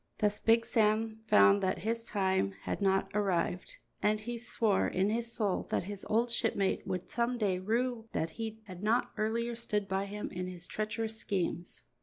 Thus Big Sam found that his time had not arrived, and he swore in his soul that his old shipmate would some day rue that he had not earlier stood by him in his treacherous schemes.